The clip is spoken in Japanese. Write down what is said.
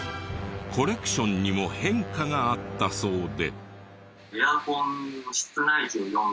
コレクションにも変化があったそうで。